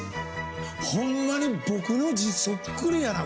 ホンマに僕の字そっくりやなこれ。